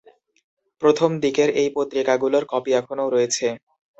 প্রথম দিকের এই পত্রিকাগুলোর কপি এখনও রয়েছে।